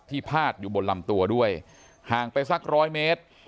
พาดอยู่บนลำตัวด้วยห่างไปสักร้อยเมตร